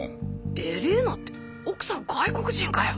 エレーナって奥さん外国人かよ！？